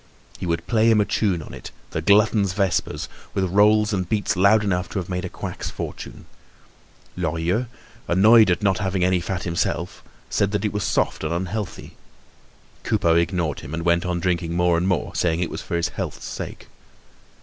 He would play him a tune on it, the glutton's vespers, with rolls and beats loud enough to have made a quack's fortune. Lorilleux, annoyed at not having any fat himself, said that it was soft and unhealthy. Coupeau ignored him and went on drinking more and more, saying it was for his health's sake.